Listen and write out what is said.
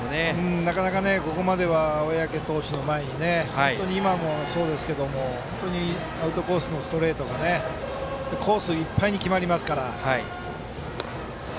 なかなかここまでは小宅投手の前に本当に今もそうですけどアウトコースのストレートがコースいっぱいに決まりますから。